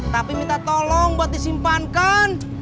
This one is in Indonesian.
tapi minta tolong buat disimpankan